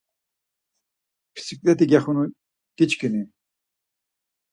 Pisiǩlet̆i gexunu giçkini?